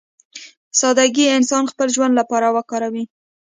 سادهګي انسان خپل ژوند لپاره وکاروي.